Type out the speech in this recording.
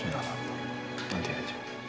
sudah mama nanti aja